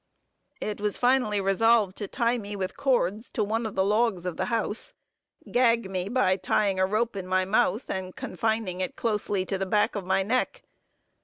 "It was finally resolved to tie me with cords, to one of the logs of the house, gag me by tying a rope in my mouth, and confining it closely to the back of my neck.